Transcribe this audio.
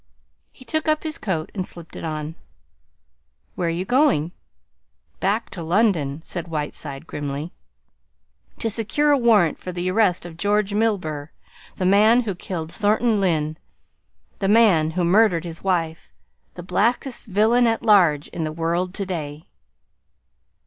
He took up his coat and slipped it on. "Where are you going?" "Back to London," said Whiteside grimly, "to secure a warrant for the arrest of George Milburgh, the man who killed Thornton Lyne, the man who murdered his wife the blackest villain at large in the world to day!"